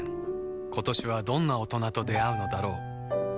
今年はどんな大人と出会うのだろう